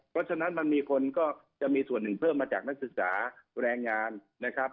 เพราะฉะนั้นมันมีคนก็จะมีส่วนหนึ่งเพิ่มมาจากนักศึกษาแรงงานนะครับ